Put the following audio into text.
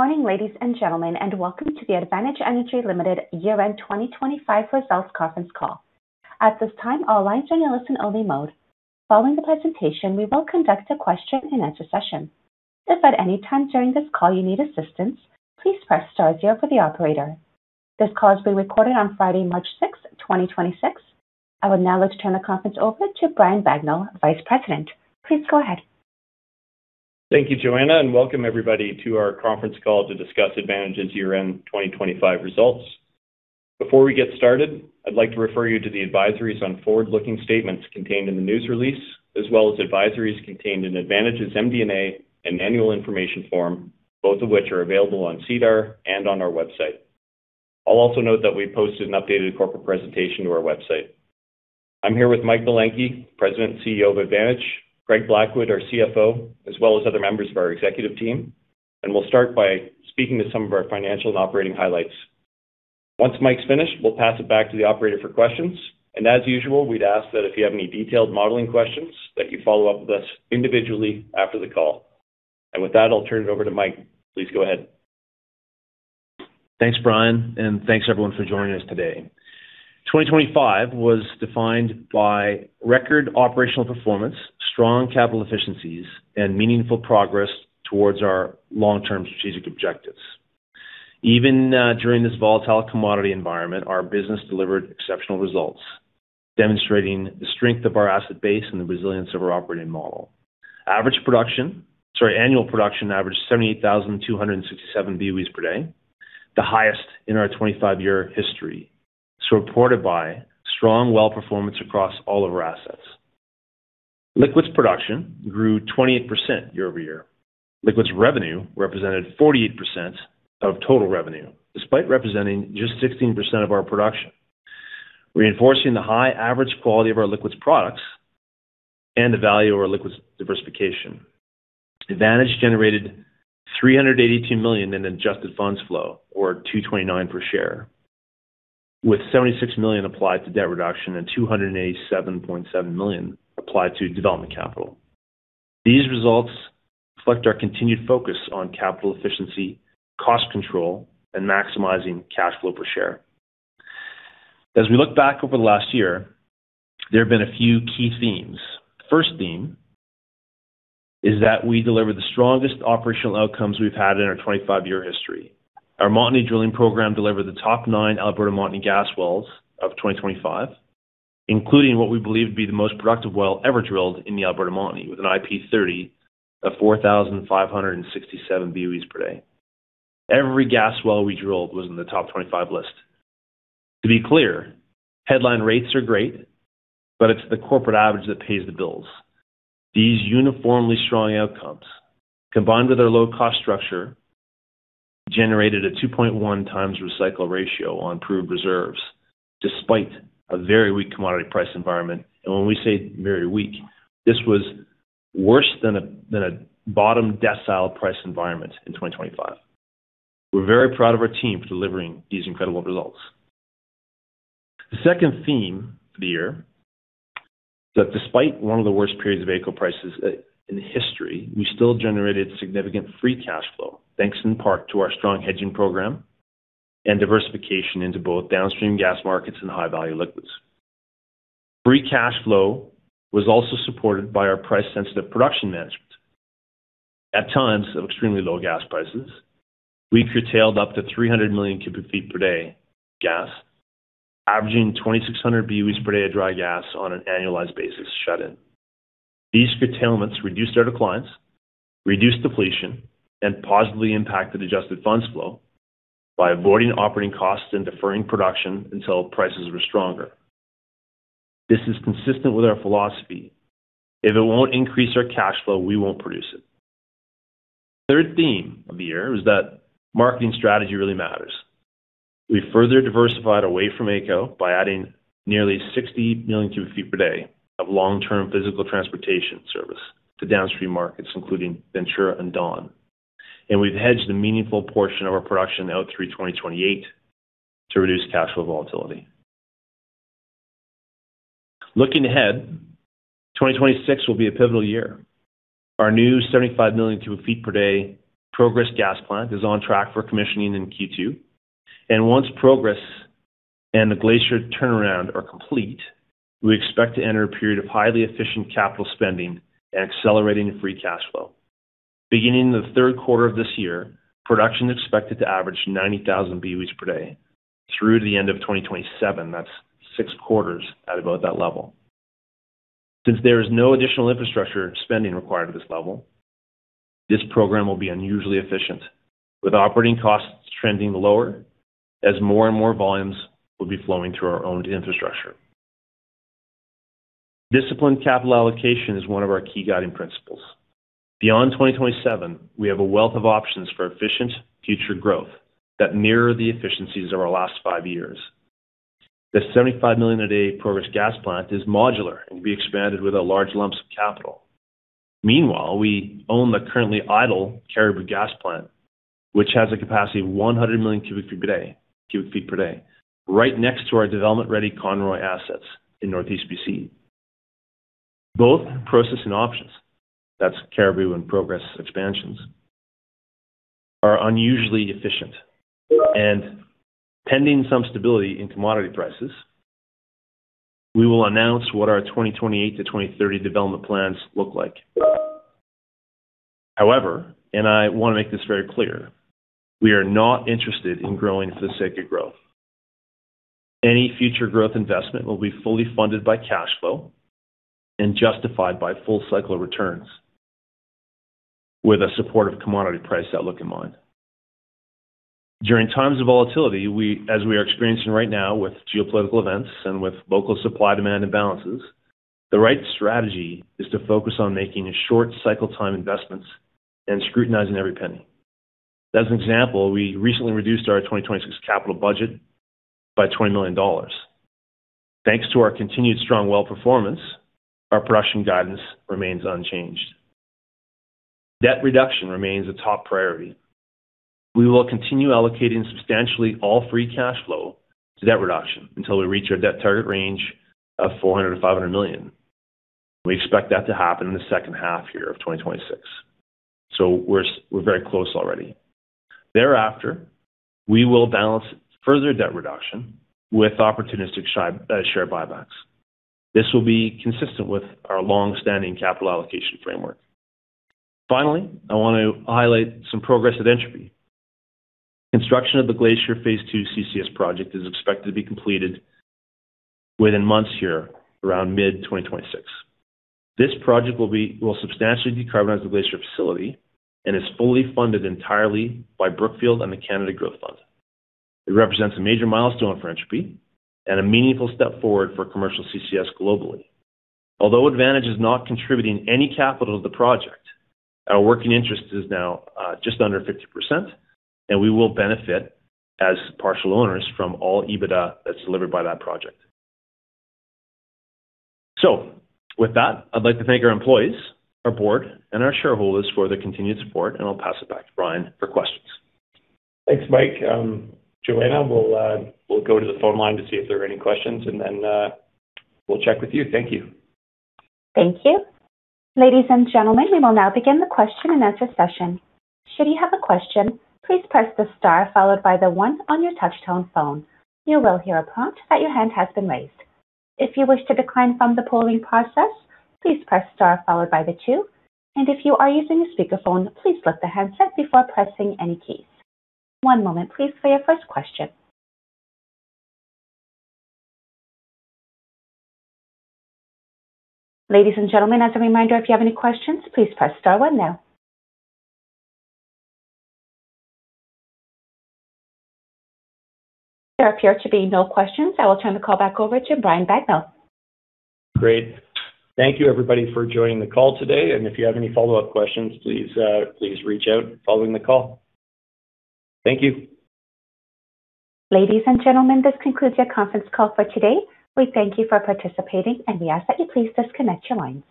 Good morning, ladies and gentlemen, and welcome to the Advantage Energy Limited year-end 2025 results conference call. At this time, all lines are in a listen-only mode. Following the presentation, we will conduct a question-and-answer session. If at any time during this call you need assistance, please press star zero for the operator. This call is being recorded on Friday, March 6th, 2026. I would now like to turn the conference over to Brian Bagnell, Vice President. Please go ahead. Thank you, Joanna, welcome everybody to our conference call to discuss Advantage's year-end 2025 results. Before we get started, I'd like to refer you to the advisories on forward-looking statements contained in the news release, as well as advisories contained in Advantage's MD&A and annual information form, both of which are available on SEDAR and on our website. I'll also note that we posted an updated corporate presentation to our website. I'm here with Mike Belenkie, President and CEO of Advantage, Craig Blackwood, our CFO, as well as other members of our executive team. We'll start by speaking to some of our financial and operating highlights. Once Mike's finished, we'll pass it back to the operator for questions. As usual, we'd ask that if you have any detailed modeling questions that you follow up with us individually after the call. With that, I'll turn it over to Mike. Please go ahead. Thanks, Brian, and thanks everyone for joining us today. 2025 was defined by record operational performance, strong capital efficiencies, and meaningful progress towards our long-term strategic objectives. Even during this volatile commodity environment, our business delivered exceptional results, demonstrating the strength of our asset base and the resilience of our operating model. Annual production averaged 78,267 BOEs per day, the highest in our 25-year history. Supported by strong well performance across all of our assets. Liquids production grew 28% year-over-year. Liquids revenue represented 48% of total revenue, despite representing just 16% of our production, reinforcing the high average quality of our liquids products and the value of our liquids diversification. Advantage generated 382 million in adjusted funds flow, or 2.29 per share, with 76 million applied to debt reduction and 287.7 million applied to development capital. These results reflect our continued focus on capital efficiency, cost control, and maximizing cash flow per share. As we look back over the last year, there have been a few key themes. First theme is that we delivered the strongest operational outcomes we've had in our 25-year history. Our Montney drilling program delivered the top nine Alberta Montney gas wells of 2025, including what we believe to be the most productive well ever drilled in the Alberta Montney, with an IP30 of 4,567 BOEs per day. Every gas well we drilled was in the top 25 list. To be clear, headline rates are great, but it's the corporate average that pays the bills. These uniformly strong outcomes, combined with our low cost structure, generated a 2.1 times recycle ratio on proved reserves, despite a very weak commodity price environment. When we say very weak, this was worse than a bottom decile price environment in 2025. We're very proud of our team for delivering these incredible results. The second theme of the year that despite one of the worst periods of AECO prices in history, we still generated significant free cash flow, thanks in part to our strong hedging program and diversification into both downstream gas markets and high-value liquids. Free cash flow was also supported by our price-sensitive production management. At times of extremely low gas prices, we curtailed up to 300 million cu ft per day gas, averaging 2,600 BOEs per day of dry gas on an annualized basis shut-in. These curtailments reduced our declines, reduced depletion, and positively impacted adjusted funds flow by avoiding operating costs and deferring production until prices were stronger. This is consistent with our philosophy. If it won't increase our cash flow, we won't produce it. third theme of the year is that marketing strategy really matters. We further diversified away from AECO by adding nearly 60 million cu ft per day of long-term physical transportation service to downstream markets, including Ventura and Dawn. We've hedged a meaningful portion of our production out through 2028 to reduce cash flow volatility. Looking ahead, 2026 will be a pivotal year. Our new 75 million cu ft per day Progress gas plant is on track for commissioning in Q2, once Progress and the Glacier turnaround are complete, we expect to enter a period of highly efficient capital spending and accelerating free cash flow. Beginning in the third quarter of this year, production is expected to average 90,000 BOEs per day through to the end of 2027. That's six quarters at about that level. Since there is no additional infrastructure spending required at this level, this program will be unusually efficient, with operating costs trending lower as more and more volumes will be flowing through our owned infrastructure. Disciplined capital allocation is one of our key guiding principles. Beyond 2027, we have a wealth of options for efficient future growth that mirror the efficiencies of our last five years. The 75 million a day Progress gas plant is modular and will be expanded without large lumps of capital. We own the currently idle Caribou gas plant, which has a capacity of 100 million cu ft per day, right next to our development-ready Conroy assets in Northeast BC. Both processing options, that's Caribou and Progress expansions, are unusually efficient. Pending some stability in commodity prices, we will announce what our 2028 to 2030 development plans look like. However, I want to make this very clear, we are not interested in growing for the sake of growth. Any future growth investment will be fully funded by cash flow and justified by full cycle returns with a supportive commodity price outlook in mind. During times of volatility, as we are experiencing right now with geopolitical events and with local supply-demand imbalances, the right strategy is to focus on making short cycle time investments and scrutinizing every penny. As an example, we recently reduced our 2026 capital budget by 20 million dollars. Thanks to our continued strong well performance, our production guidance remains unchanged. Debt reduction remains a top priority. We will continue allocating substantially all free cash flow to debt reduction until we reach our debt target range of 400 million-500 million. We expect that to happen in the second half year of 2026, so we're very close already. Thereafter, we will balance further debt reduction with opportunistic share buybacks. This will be consistent with our long-standing capital allocation framework. Finally, I want to highlight some progress at Entropy. Construction of the Glacier Phase 2 CCS project is expected to be completed within months here, around mid-2026. This project will substantially decarbonize the Glacier facility and is fully funded entirely by Brookfield and the Canada Growth Fund. It represents a major milestone for Entropy and a meaningful step forward for commercial CCS globally. Although Advantage is not contributing any capital to the project, our working interest is now just under 50%, and we will benefit as partial owners from all EBITDA that's delivered by that project. With that, I'd like to thank our employees, our board, and our shareholders for their continued support, and I'll pass it back to Brian for questions. Thanks, Mike. Joanna, we'll go to the phone line to see if there are any questions and then, we'll check with you. Thank you. Thank you. Ladies and gentlemen, we will now begin the question and answer session. Should you have a question, please press the star followed by the one on your touch tone phone. You will hear a prompt that your hand has been raised. If you wish to decline from the polling process, please press star followed by the two. If you are using a speakerphone, please lift the handset before pressing any keys. One moment please for your first question. Ladies and gentlemen, as a reminder, if you have any questions, please press star one now. There appear to be no questions. I will turn the call back over to Brian Bagnell. Great. Thank you everybody for joining the call today. If you have any follow-up questions, please reach out following the call. Thank you. Ladies and gentlemen, this concludes your conference call for today. We thank you for participating, we ask that you please disconnect your lines.